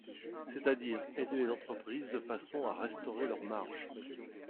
C'est-à-dire aider les entreprises de façon à restaurer leurs marges.